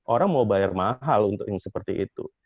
orang mau bayar mahal untuk yang seperti itu